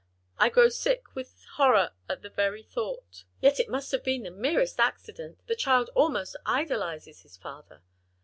I grow sick with horror at the very thought!" "Yet it must have been the merest accident, the child almost idolizes his father."